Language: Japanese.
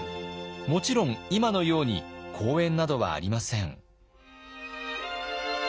もちろん今のように公園などはありません。